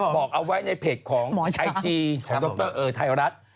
บอกเอาไว้ในเพจของไอจีของดรเออไทยรัฐ